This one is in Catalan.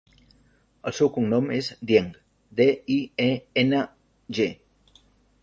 El seu cognom és Dieng: de, i, e, ena, ge.